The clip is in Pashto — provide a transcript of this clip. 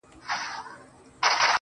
دا درې صفتونه پر یوه ځای سرا را ټولیږي